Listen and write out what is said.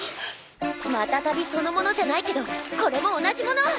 そのものじゃないけどこれも同じもの！